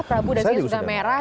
pria bu dan dania sudah merah